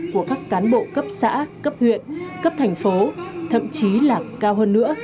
của các cán bộ cấp xã cấp huyện cấp thành phố thậm chí là cao hơn nữa